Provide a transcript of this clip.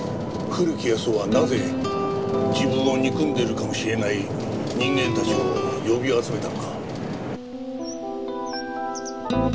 古木保男はなぜ自分を憎んでいるかもしれない人間たちを呼び集めたのか。